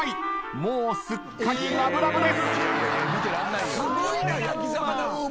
もうすっかりラブラブです。